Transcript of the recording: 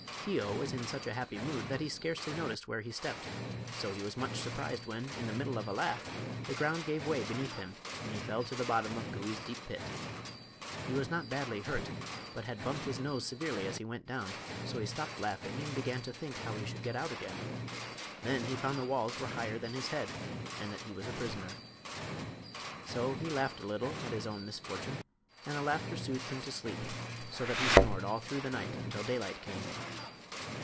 Keo was in such a happy mood that he scarcely noticed where he stepped, so he was much surprised when, in the middle of a laugh, the ground gave way beneath him, and he fell to the bottom of Gouie's deep pit. He was not badly hurt, but had bumped his nose severely as he went down; so he stopped laughing and began to think how he should get out again. Then he found the walls were higher than his head, and that he was a prisoner. So he laughed a little at his own misfortune, and the laughter soothed him to sleep, so that he snored all through the night until daylight came.